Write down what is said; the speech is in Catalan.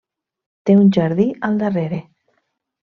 Té un jardí al darrere.